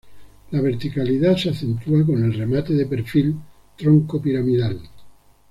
La verticalidad se acentúa con el remate de perfil troncopiramidal.